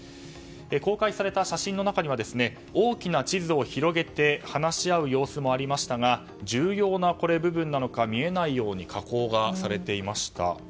公開された写真の中には大きな地図を広げて話し合う様子もありましたが重要な部分なのか見えないように加工がされていました。